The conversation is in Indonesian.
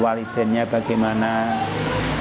apalagi sekarang dihubungkan dengan zaman sekarang